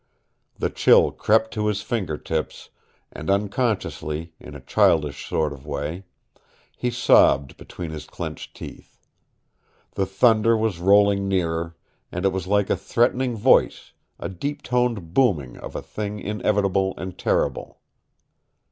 The chill crept to his finger tips, and unconsciously, in a childish sort of way, he sobbed between his clenched teeth. The thunder was rolling nearer, and it was like a threatening voice, a deep toned booming of a thing inevitable and terrible.